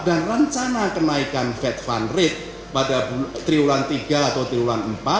dan rencana kenaikan fed fund rate pada triwulan tiga atau triwulan empat